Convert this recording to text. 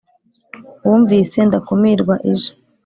wumvise ndakumirwa ije